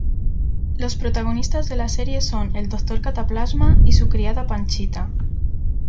Los protagonistas de la serie son el doctor Cataplasma y su criada Panchita.